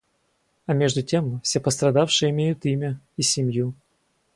А между тем все пострадавшие имеют имя и семью.